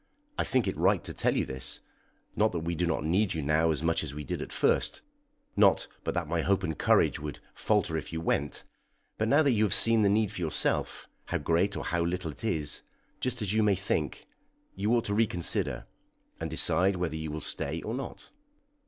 I think it right to tell you this; not that we do not need you now as much as we did at first; not but that my hope and courage would falter if you went; but now that you have seen the need for yourself, how great or how little it is, just as you may think, you ought to reconsider, and decide whether you will stay or not."